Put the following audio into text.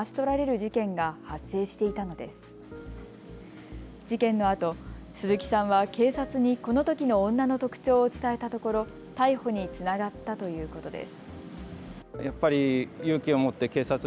事件のあと鈴木さんは警察にこのときの女の特徴を伝えたところ逮捕につながったということです。